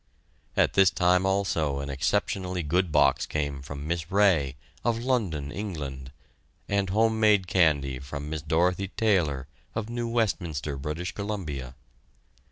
At this time, also, an exceptionally good box came from Miss Ray, of London, England, and home made candy from Miss Dorothy Taylor, of New Westminster, British Columbia.